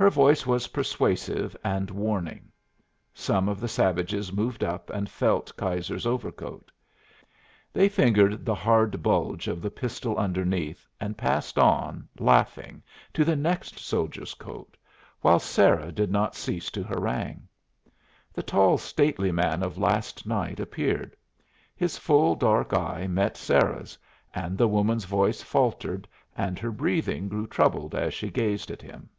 Her voice was persuasive and warning. Some of the savages moved up and felt Keyser's overcoat. They fingered the hard bulge of the pistol underneath, and passed on, laughing, to the next soldier's coat, while Sarah did not cease to harangue. The tall, stately man of last night appeared. His full dark eye met Sarah's, and the woman's voice faltered and her breathing grew troubled as she gazed at him.